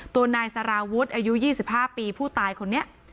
ตัวนายสารวุฒิอายุ๒๕ปีผู้ตายคนนี้